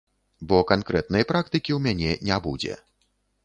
Бо канкрэтнай практыкі ў мяне не будзе.